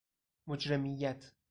مجرمیت